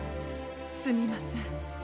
すみません。